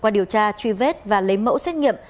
qua điều tra truy vết và lấy mẫu xét nghiệm